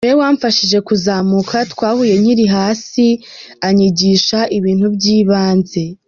Ni we wamfashije kuzamuka, twahuye nkiri hasi anyigisha ibintu by’ibanze.